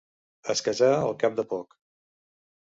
Es casà al cap de poc.